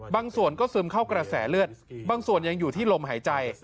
บางส่วนก็ซึมเข้ากระแสเลือดบางส่วนยังอยู่ที่ลมหายใจ